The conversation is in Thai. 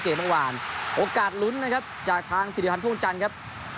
เมื่อวานโอกาสลุ้นนะครับจากทางสิริพันธ์พ่วงจันทร์ครับ